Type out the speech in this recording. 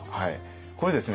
これですね